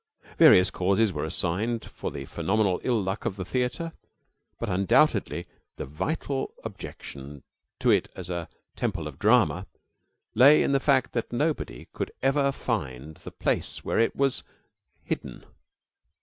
Various causes were assigned for the phenomenal ill luck of the theater, but undoubtedly the vital objection to it as a Temple of Drama lay in the fact that nobody could ever find the place where it was hidden.